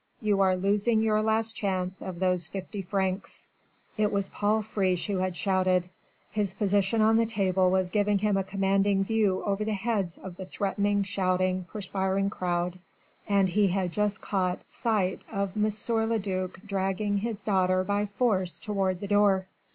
You are losing your last chance of those fifty francs." It was Paul Friche who had shouted. His position on the table was giving him a commanding view over the heads of the threatening, shouting, perspiring crowd, and he had just caught sight of M. le duc dragging his daughter by force toward the door.